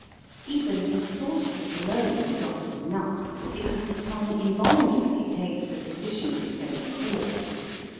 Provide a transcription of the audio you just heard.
Even the thought of it alone is often enough, because the tongue involuntarily takes the position of its own accord.